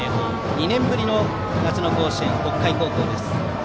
２年ぶりの夏の甲子園北海高校です。